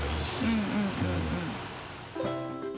うんうんうんうん。